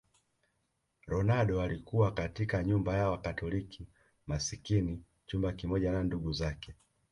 Ronaldo alikulia katika nyumba ya Wakatoliki masikini chumba kimoja na ndugu zake